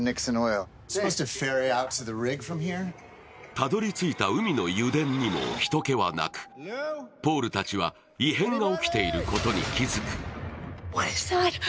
たどりついた海の油田にも人けはなく、ポールたちは異変が起きていることに気付く。